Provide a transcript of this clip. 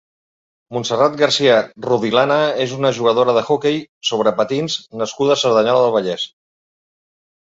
Montserrat Garcia Rodilana és una jugadora d’hoquei sobre patins nascuda a Cerdanyola del Vallès.